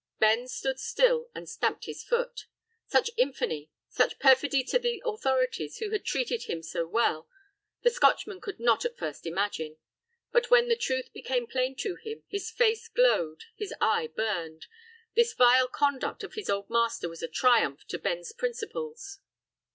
Ben stood still and stamped his foot. Such infamy, such perfidy to the authorities who had treated him so well, the Scotchman could not at first imagine, but when the truth became plain to him, his face glowed, his eye burned; this vile conduct of his old master was a triumph to Ben's principles.